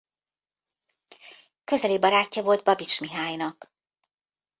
Közeli barátja volt Babits Mihálynak.